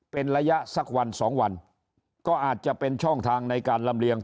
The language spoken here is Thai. เป็นระยะสักวันสองวันก็อาจจะเป็นช่องทางในการลำเลียง